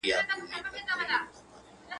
دا دنیا له هر بنده څخه پاتیږي.